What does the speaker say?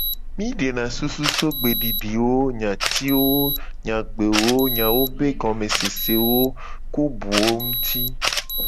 Mi dena susu so gbedidiwo, nyatiwo nyagbewo, nyawo be gomesese, ku buwo nguti.